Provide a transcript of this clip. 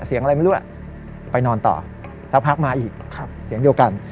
เสียงอะไรไม่รู้ล่ะไปนอนต่อสักพักมาอีกเสียงเดียวกัน